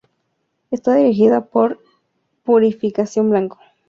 Está dirigida por Purificación Blanco.